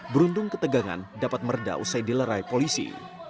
beruntung ketegangan dapat meredah usai dilerai polisi